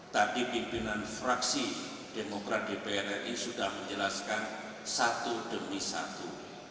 tadi pimpinan fraksi demokrat dpr ri sudah menjelaskan satu demi satu